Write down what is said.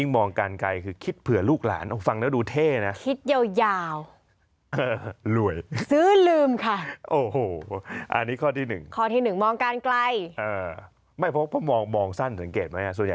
ในตลาดหุ้นมันรวย